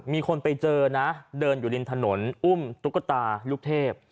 มีคนไปเจอนะเดินอยู่ริมถนนอุ้มตุ๊กตาลูกเทพ